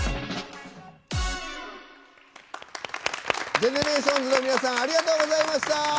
ＧＥＮＥＲＡＴＩＯＮＳの皆さんありがとうございました。